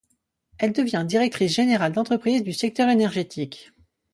Elle devient directrice générale d'entreprises du secteur énergétique.